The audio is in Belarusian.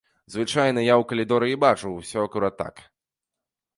Звычайна я ў калідоры і бачу ўсё акурат так.